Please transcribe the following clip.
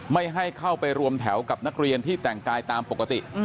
ไม่ให้เข้าไปรวมแถวกับนักเรียนที่แต่งกายตามปกติ